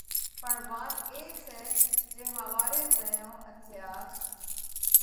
پڻ وات اي سئہ جي ۿواري زئيون اٿياس،